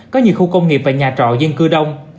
có nhiều khu công nghiệp và nhà trọ dân cư đông